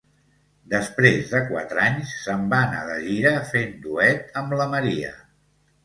Després de quatre anys, se'n va anar de gira fent duet amb la Maria.